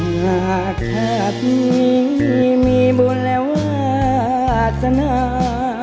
หลักทัพมีมีบุญและวาสนา